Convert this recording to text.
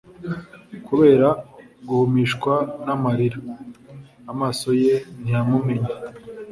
Kubera guhumishwa n'amarira, amaso ye ntiyamumenye.